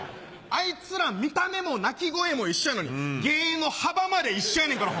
あいつら見た目も鳴き声も一緒やのに芸の幅まで一緒やねんから。